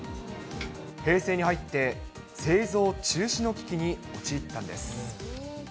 平成に入って製造中止の危機に陥ったんです。